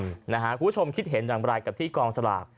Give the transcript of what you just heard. คุณผู้ชมคิดเห็นอย่างไรกับที่กองสลาก